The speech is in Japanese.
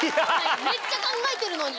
めっちゃ考えてるのに。